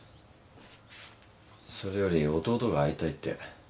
それより弟が会いたいって。